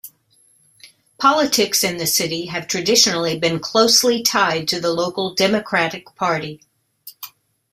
Politics in the city have traditionally been closely tied to the local Democratic Party.